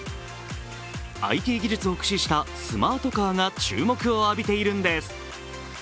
ＩＴ技術を駆使したスマートカーが注目を浴びているんです。